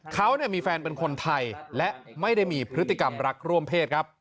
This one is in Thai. เขามีแฟนเป็นคนไทยและไม่ได้มีพฤติกรรมรักร่วมเพศครับ